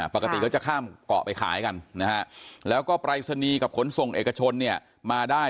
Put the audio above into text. ปกติก็จะข้ามเกาะไปขายกันแล้วก็ปลายสนีกับขนส่งเอกชนมาได้